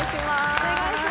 お願いします。